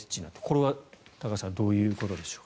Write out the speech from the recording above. これは、高橋さんどういうことでしょう？